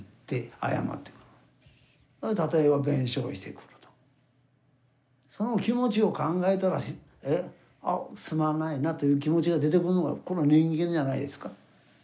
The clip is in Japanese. お母さんわざわざその気持ちを考えたらすまないなという気持ちが出てくるのが人間じゃないですか。